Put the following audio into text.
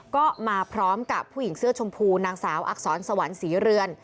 ก็มาพร้อมกับผู้หญิงเสื้อชมพูนางสาวอักษรสวรรค์ศรีเรือน